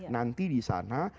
nanti di sana